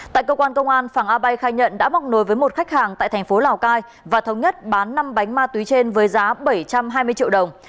tại cơ quan công an phàng a bay khai nhận đã móc nối với một khách hàng tại thành phố lào cai và thống nhất bán năm bánh ma túy trên với giá bảy trăm hai mươi triệu đồng